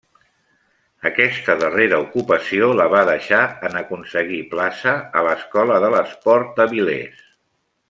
Aquesta darrera ocupació la va deixar en aconseguir plaça a l'Escola de l'Esport d'Avilés.